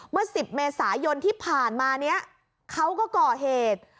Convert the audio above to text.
เมื่อ๑๐เมษายนที่ผ่านมาเนี่ยเขาก็ก่อเหตุ